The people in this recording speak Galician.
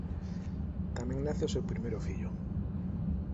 Tamén nace o seu primeiro fillo.